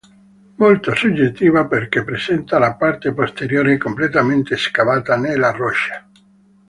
Molto suggestiva perché presenta la parte posteriore completamente scavata nella roccia.